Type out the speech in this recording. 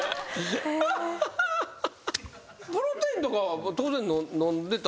プロテインとか当然飲んでた？